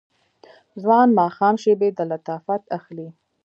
ځوان ماښام شیبې د لطافت اخلي